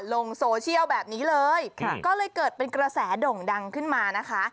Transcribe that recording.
ลงโซเชียลแบบนี้เลยก็เลยเกิดเป็นกระแสโด่งดังขึ้นมานะคะ